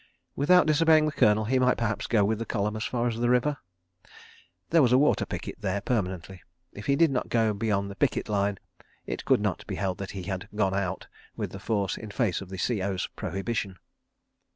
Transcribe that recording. Without disobeying the Colonel, he might perhaps go with the column as far as the river? There was a water picket there permanently. If he did not go beyond the picket line, it could not be held that he had "gone out" with the force in face of the C.O.'s prohibition.